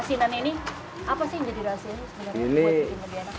asinan ini apa sih yang jadi rahasia